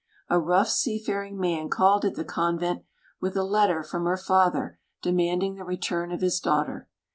A rough seafaring man called at the convent with a letter from her father demanding the return of his daughter.